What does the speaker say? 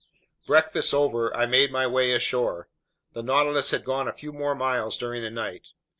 Breakfast over, I made my way ashore. The Nautilus had gone a few more miles during the night.